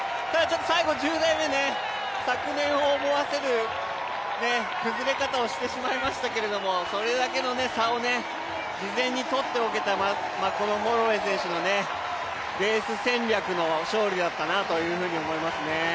最後、１０台目、昨年を思わせる崩れ方をしてしまいましたけどねそれだけの差を事前にとっておけたこのホロウェイ選手のレース戦略の勝利だったなというふうに思いますね。